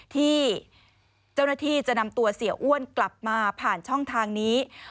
ที่เจ้าหน้าที่จะนำตัวเสียอ้วนกลับมาผ่านช่องทางนี้